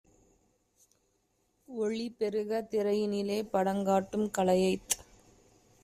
ஒளிபெருகத் திரையினிலே படங்காட்டும் கலையைத்